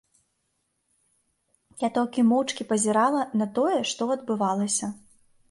Я толькі моўчкі пазірала на тое, што адбывалася.